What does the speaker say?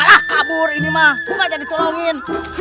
lihat ini baca tengik